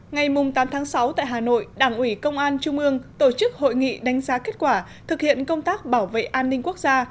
ngày tám tháng sáu tại hà nội đảng ủy công an trung ương tổ chức hội nghị đánh giá kết quả thực hiện công tác bảo vệ an ninh quốc gia